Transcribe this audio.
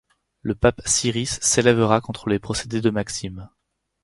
Le pape Sirice s’élèvera contre les procédés de Maxime.